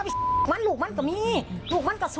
วิทยาลัยศาสตร์อัศวิทยาลัยศาสตร์